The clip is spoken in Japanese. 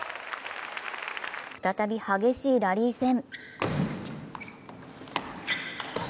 再び激しいラリー戦。